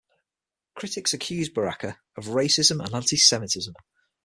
Critics accused Baraka of racism and anti-Semitism.